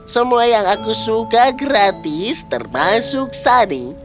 semua yang aku suka gratis termasuk sani